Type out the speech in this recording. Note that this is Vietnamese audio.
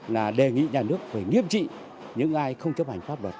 là đề nghị nhà nước phải nghiêm trị những ai không chấp hành pháp luật